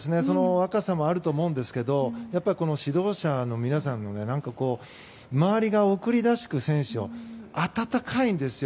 若さもあると思うんですけどやっぱり指導者の皆さんが周りが送り出した選手に温かいんですよ。